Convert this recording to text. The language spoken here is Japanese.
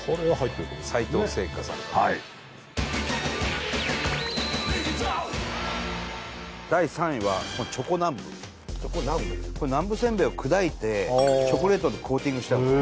さいとう製菓さん第３位はチョコ南部チョコ南部これ南部せんべいを砕いてチョコレートでコーティングしてあるんです